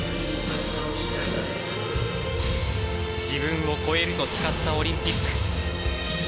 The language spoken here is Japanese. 自分を超えると誓ったオリンピック。